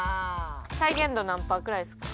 再現度何パーくらいですか？